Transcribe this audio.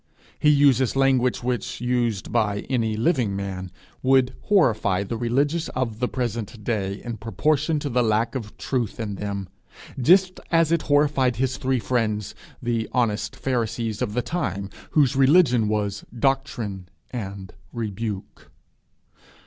He uses language which, used by any living man, would horrify the religious of the present day, in proportion to the lack of truth in them, just as it horrified his three friends, the honest pharisees of the time, whose religion was 'doctrine' and rebuke.